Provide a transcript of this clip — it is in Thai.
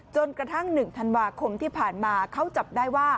จนกระทั่ง๑ธันวาคมที่ผ่านมาเขาจับได้ว่า